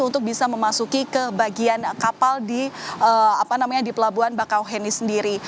untuk bisa memasuki ke bagian kapal di pelabuhan bakauheni sendiri